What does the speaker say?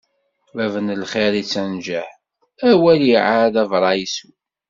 Bab n lxiṛ ittenǧaḥ, a waliɛad abṛaysu.